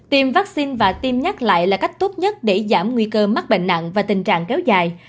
tiêm vaccine và tiêm nhắc lại là cách tốt nhất để giảm nguy cơ mắc bệnh nặng và tình trạng kéo dài